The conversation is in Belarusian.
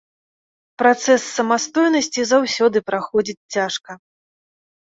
Працэс самастойнасці заўсёды праходзіць цяжка.